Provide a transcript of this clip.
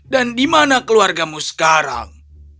dan di mana keluargamu sekarang